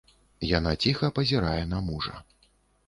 Яна ціха пазірае на мужа.